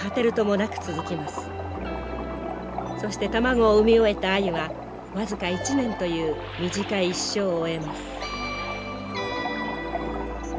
そして卵を産み終えたアユは僅か１年という短い一生を終えます。